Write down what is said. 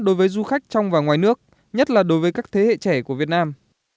đối với du khách trong và ngoài nước nhất là đối với các thế hệ trẻ của việt nam